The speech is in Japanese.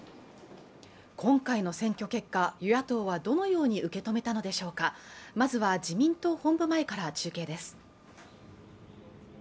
今回の選挙結果、与野党はどのように受け止めたのでしょうかまずは自民党本部前から中継です